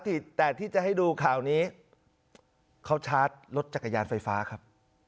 แต่ที่จะให้ดูข่าวนี้เขาชาร์จรถจักรยานไฟฟ้าครับ